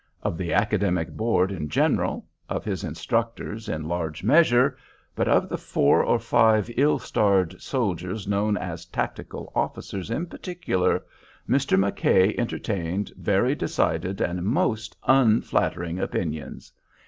Of the Academic Board in general, of his instructors in large measure, but of the four or five ill starred soldiers known as "tactical officers" in particular, Mr. McKay entertained very decided and most unflattering opinions.